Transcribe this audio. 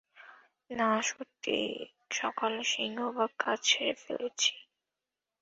না সত্যিই, সকালে সিংহভাগ কাজ সেরে ফেলেছি।